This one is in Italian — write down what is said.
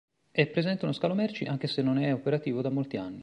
È presente uno scalo merci anche se non è operativo da molti anni.